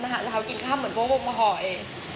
หาเช้ากินข้าวเหมือนพวกโบมพรอย